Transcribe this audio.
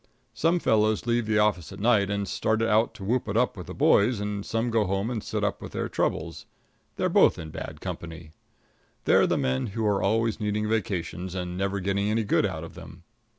Some fellows leave the office at night and start out to whoop it up with the boys, and some go home to sit up with their troubles they're both in bad company. They're the men who are always needing vacations, and never getting any good out of them.